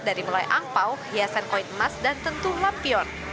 dari mulai angpao hiasan koin emas dan tentu lampion